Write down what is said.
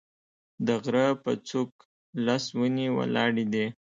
د غره په څوک لس ونې ولاړې دي